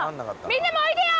みんなもおいでよ！